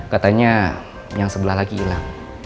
katanya yang sebelah lagi hilang